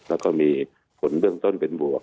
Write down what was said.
แล้วก็มีผลเบื้องต้นเป็นบวก